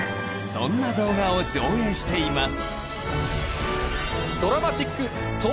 ・そんな動画を上映しています